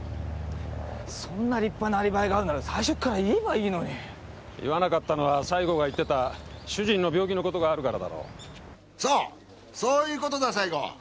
そんな立派なアリバイがあるなら最初から言えばいいのに言わなかったのは西郷が言ってた主人の病気のことがあるからだろうそうそういうことだ西郷